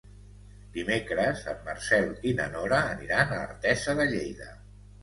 Dimecres en Marcel i na Nora aniran a Artesa de Lleida.